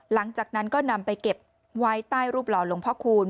หลังจากนั้นก็นำไปเก็บไว้ใต้รูปหล่อหลวงพ่อคูณ